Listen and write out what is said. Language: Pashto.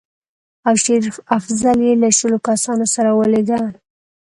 او شېر افضل یې له شلو کسانو سره ولېږه.